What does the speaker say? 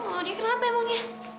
oh dia kenapa emangnya